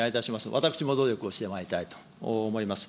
私も努力をしてまいりたいと思います。